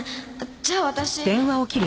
じゃあ私。